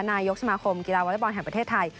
นายกสมาคมกีฬาวอเล็กบอลแห่งประเทศไทย